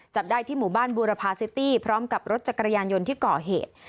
จับได้ที่หมู่บ้านบูรพาซิตี้พร้อมกับรถจักรยานยนต์ที่ก่อเหตุ